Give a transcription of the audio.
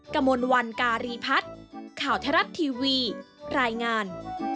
กระมวลวันการีพัฒน์ข่าวไทยรัฐทีวีรายงาน